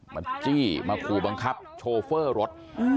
จี้มาขู่บังคับโชเฟอร์รถ